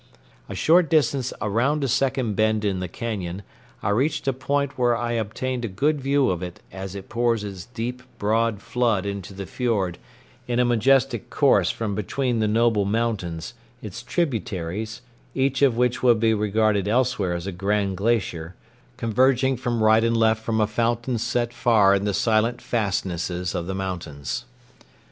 A short distance around a second bend in the cañon, I reached a point where I obtained a good view of it as it pours its deep, broad flood into the fiord in a majestic course from between the noble mountains, its tributaries, each of which would be regarded elsewhere as a grand glacier, converging from right and left from a fountain set far in the silent fastnesses of the mountains.